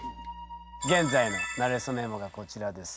現在の「なれそメモ」がこちらです